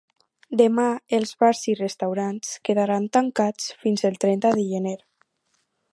Demà els bars i restaurants quedaran tancats fins el trenta de gener.